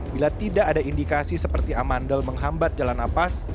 bila tidak ada indikasi seperti amandel menghambat jalan nafas